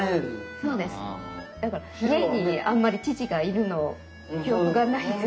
だから家にあんまり父がいるの記憶がないです。